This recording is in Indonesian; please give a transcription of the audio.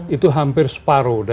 itu hampir separoh